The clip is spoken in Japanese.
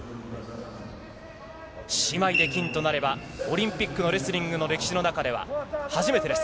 姉妹で金となれば、オリンピックのレスリングの歴史の中では初めてです。